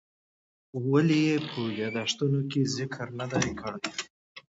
ولې یې په یادښتونو کې ذکر نه دی کړی؟